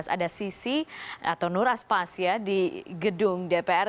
ada sisi atau nuras pas ya di gedung dpr